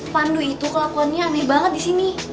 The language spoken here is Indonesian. pandu itu kelakuannya aneh banget disini